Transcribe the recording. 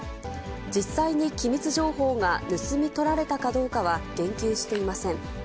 実際に機密情報が盗み取られたかどうかは言及していません。